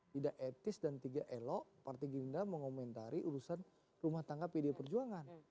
tidak etis dan tidak elok partai gerindra mengomentari urusan rumah tangga pdi perjuangan